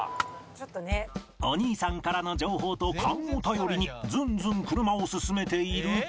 お兄さんからの情報と勘を頼りにズンズン車を進めていると